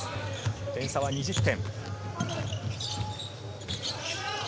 点差は２０点。